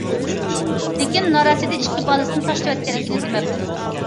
لېكىن نارەسىدە ئىككى بالىسىنى تاشلىۋەتكەنلىكىنى دېمەپتۇ.